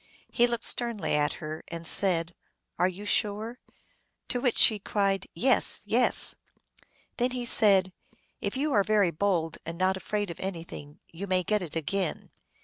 He looked sternly at her, and said, " Are you sure ?" To which she cried, " Yes, yes !" Then he said, " If you are very bold, and not afraid of anything, you may get it again."